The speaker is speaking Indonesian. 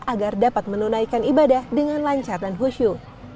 agar dapat menunaikan ibadah dengan lancar dan khusyuk